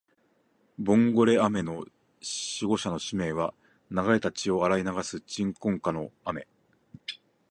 ボンゴレ雨の守護者の使命は、流れた血を洗い流す鎮魂歌の雨